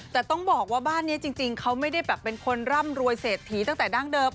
แต่ต้องบอกว่าบ้านนี้จริงเขาไม่ได้แบบเป็นคนร่ำรวยเศรษฐีตั้งแต่ดั้งเดิม